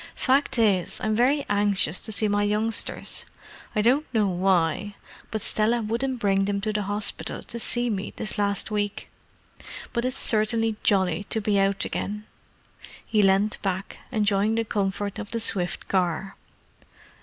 "Fact is, I'm very anxious to see my youngsters: I don't know why, but Stella wouldn't bring them to the hospital to see me this last week. But it's certainly jolly to be out again." He leaned back, enjoying the comfort of the swift car.